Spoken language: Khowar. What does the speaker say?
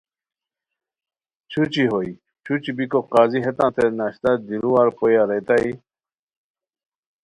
چھوچی ہوئے چھوچھی بیکو قاضی ہیتانتے ناشتہ دیروار پویا ریتائے